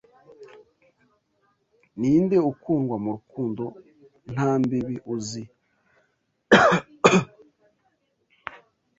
Ninde, ukundwa, mu rukundo nta mbibi uzi